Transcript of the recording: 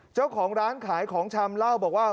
เจ้าของร้านขายของชำเล่าบอกว่า